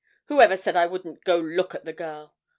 'Who ever said I wouldn't go look at the girl?